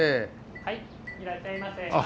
はいいらっしゃいませ。